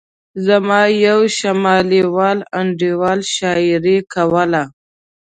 زما یو شمالي وال انډیوال شاعري کوله.